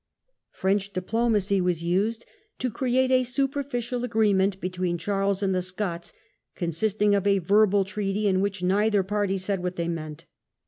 French diplomacy was used to create a superficial agree ment between Charles and the Scots, consisting of a verbal treaty in which neither party said what they meant.